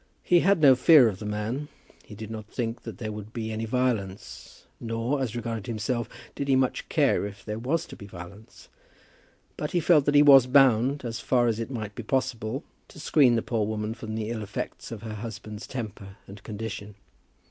He had no fear of the man. He did not think that there would be any violence, nor, as regarded himself, did he much care if there was to be violence. But he felt that he was bound, as far as it might be possible, to screen the poor woman from the ill effects of her husband's temper and condition.